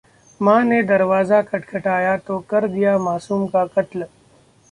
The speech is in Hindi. मां ने दरवाजा खटखटाया, तो कर दिया मासूम का कत्ल